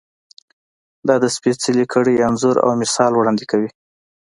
دا د سپېڅلې کړۍ انځور او مثال وړاندې کوي.